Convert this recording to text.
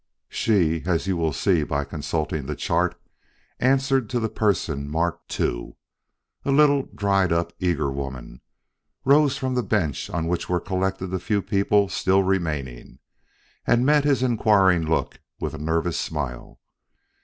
She, as you will see by consulting the chart, answered to the person marked "2." A little, dried up, eager woman rose from the bench on which were collected the few people still remaining, and met his inquiring look with a nervous smile.